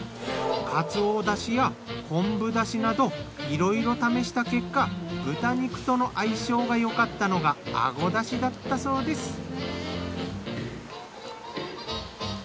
かつおだしや昆布だしなどいろいろ試した結果豚肉との相性がよかったのがアゴだしだったそうです。